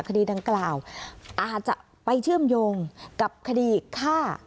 คดีดังกล่าวอาจจะไปเชื่อมโยงกับคดีฆ่า